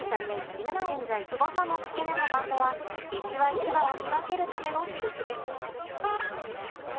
なお翼の付け根のバンドは一羽一羽を見分けるための印です。